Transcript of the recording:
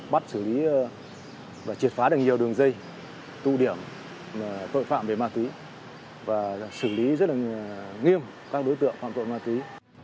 bắt xử lý và triệt phá được nhiều đường dây tụ điểm tội phạm về ma túy và xử lý rất là nghiêm các đối tượng phạm tội ma túy